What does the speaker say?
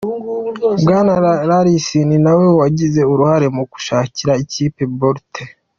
Bwana Rallis ni na we wagize uruhare mu gushakira ikipe Bolt.